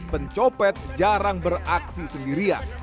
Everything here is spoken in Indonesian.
pencopet jarang beraksi sendirian